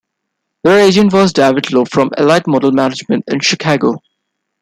Their agent was David Love from Elite Model Management in Chicago.